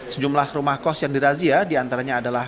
sejumlah rumah kos yang dirazia di antaranya adalah